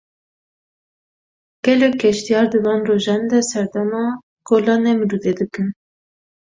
Gelek geştyar di van rojan de serdama Gola Nemrûdê dikin.